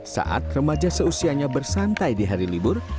saat remaja seusianya bersantai di hari libur